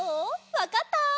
わかった？